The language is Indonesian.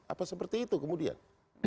apa seperti itu kemudian